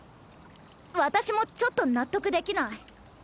私もちょっと納得できない。